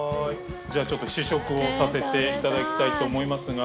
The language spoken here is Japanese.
じゃあちょっと試食をさせて頂きたいと思いますが。